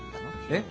えっ？